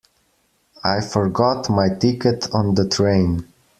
I forgot my ticket on the train.